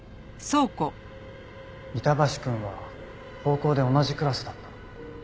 板橋くんは高校で同じクラスだったの。